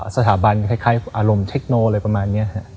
สถาบันคล้ายอารมณ์เทคโนอะไรประมาณนี้